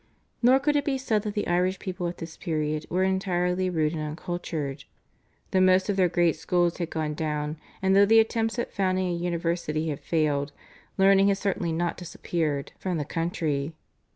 Nor could it be said that the Irish people at this period were entirely rude and uncultured. Though most of their great schools had gone down, and though the attempts at founding a university had failed, learning had certainly not disappeared from the country.